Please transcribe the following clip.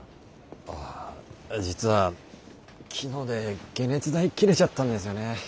ああ実は昨日で解熱剤切れちゃったんですよね。